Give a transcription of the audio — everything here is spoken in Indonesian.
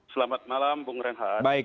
selamat malam bung renha